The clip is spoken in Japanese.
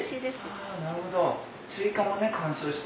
なるほど。